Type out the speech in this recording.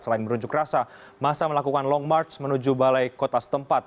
selain berunjuk rasa masa melakukan long march menuju balai kota setempat